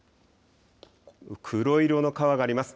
黒色の川があります。